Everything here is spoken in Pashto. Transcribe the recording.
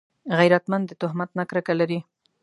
غیرتمند د تهمت نه کرکه لري